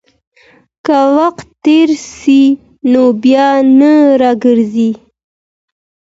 که وخت تېر سي، نو بيا نه راګرځي.